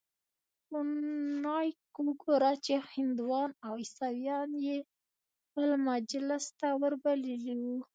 خو نايک وګوره چې هندوان او عيسويان يې خپل مجلس ته وربللي وو.